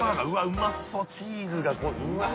うまそうチーズがうわ！